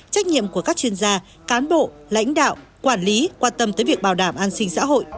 trách nhiệm của các chuyên gia cán bộ lãnh đạo quản lý quan tâm tới việc bảo đảm an sinh xã hội